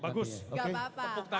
tepuk tangan untuk bapak